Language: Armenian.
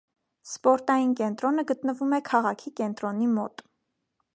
Սպորտային կենտրոնը գտնվում է քաղաքի կենտրոնի մոտ։